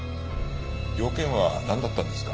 用件はなんだったんですか？